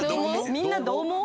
みんなどう思う？